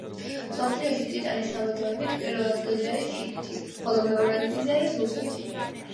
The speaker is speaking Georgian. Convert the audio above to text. მსოფლიოში ტიტანის საბადოებით პირველ ადგილზე არის ჩინეთი ხოლო მეორე ადგილზე არის რუსეთი.